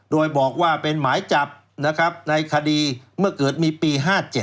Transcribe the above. โดยบอกว่าเป็นหมายจับนะครับในคดีเมื่อเกิดมีปี๕๗